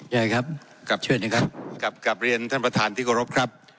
ยายครับกลับเชิญนะครับกลับกลับเรียนท่านประธานที่เคารพครับ